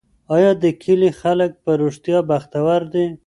آیا د کلي خلک په رښتیا بختور دي؟